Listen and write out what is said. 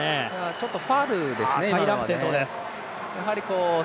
ちょっとファウルですね、今のはね。